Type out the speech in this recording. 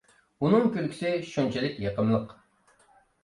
ئۇنىڭ كۈلكىسى شۇنچىلىك يېقىملىق.